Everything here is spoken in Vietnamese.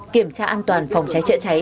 kiểm tra an toàn phòng cháy trợ cháy